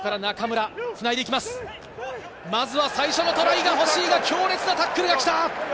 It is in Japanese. まずは最初のトライが欲しいが、強烈なタックルが来た。